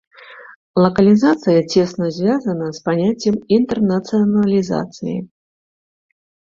Лакалізацыя цесна звязана з паняццем інтэрнацыяналізацыі.